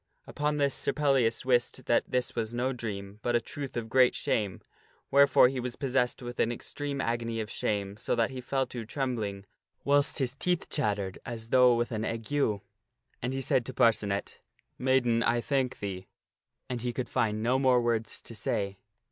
Upon this Sir Pellias wist that this was no dream, but a truth of great shame ; wherefore he was possessed with an extreme agony of shame, so that he fell to trembling, whilst his teeth chattered as though with an ague. Then he said to Parcenet, " Maiden, I thank thee." And he could find no more words to say.